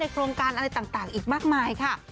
โครงการอะไรต่างอีกมากมายค่ะ